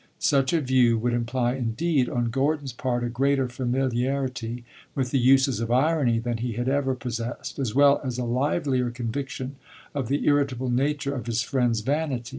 Such a view would imply indeed on Gordon's part a greater familiarity with the uses of irony than he had ever possessed, as well as a livelier conviction of the irritable nature of his friend's vanity.